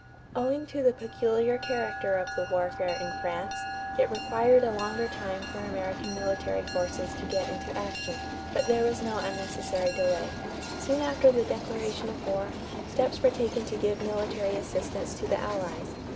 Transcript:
= Owing to the peculiar character of the warfare in France, it required a longer time for American military forces to get into action; but there was no unnecessary delay. Soon after the declaration of war, steps were taken to give military assistance to the Allies.